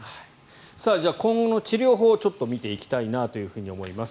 今後の治療法を見ていきたいなと思います。